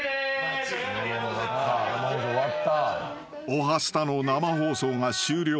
［『おはスタ』の生放送が終了］